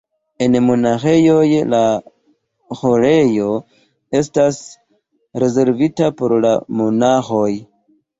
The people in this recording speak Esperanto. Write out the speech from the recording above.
En monaĥejoj la ĥorejo estas rezervita por la monaĥoj.